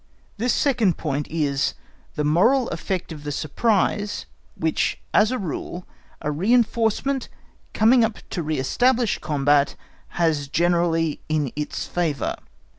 This second point _is the moral effect of the surprise, which, as a rule, a reinforcement coming up to re establish a combat has generally in its favour.